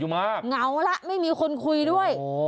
เหมาแล้วไม่มีคนคุยด้วย